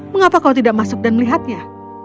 mengapa kau tidak masuk dan melihatnya